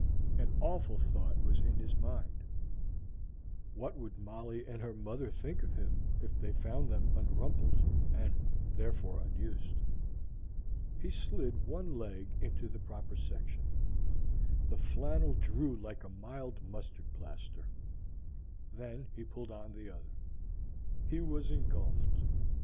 An awful thought was in his mind: What would Molly and her mother think of him if they found them unrumpled and therefore unused? He slid one leg into the proper section: the flannel drew like a mild mustard plaster. Then he pulled on the other: he was engulfed.